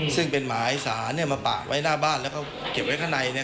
ซึ่งเป็นหมายสารมาปะไว้หน้าบ้านแล้วก็เก็บไว้ข้างใน